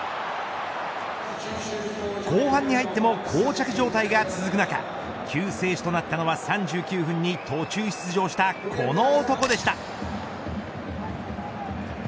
後半に入ってもこう着状態が続く中救世主となったのは３９分に途中出場したこの男でした。